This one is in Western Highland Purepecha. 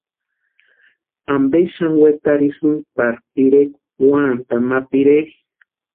¿Ampe xani wetarhisïnki pari pirekwa úantani ma pireri?